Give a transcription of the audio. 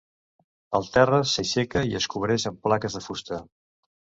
El terra s'aixeca i es cobreix amb plaques de fusta.